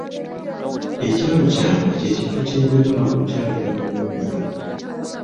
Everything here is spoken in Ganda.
Ekyalo kyange kye kifo kyenjagala okukyalira mu luwummula.